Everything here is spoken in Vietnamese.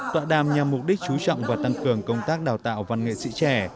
tọa đàm nhằm mục đích chú trọng và tăng cường công tác đào tạo văn nghệ sĩ trẻ